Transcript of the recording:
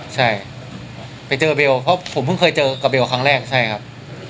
ใช่ไปเจอเบลเพราะผมเพิ่งเคยเจอกับเบลกับครั้งแรกใช่ครับ